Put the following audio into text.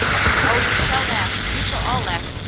"Oh, you shall laugh! You shall all laugh!